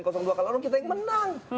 kalau kita yang menang